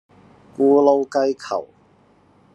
咕嚕雞球